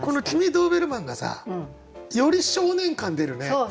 「君ドーベルマン」がさより少年感出るね。